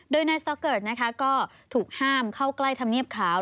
โดยนายสต๊อกเกิร์ตก็ถูกห้ามเข้าใกล้ทำเนียบขาว